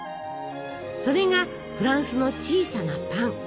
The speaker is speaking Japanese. それが「フランスの小さなパン」。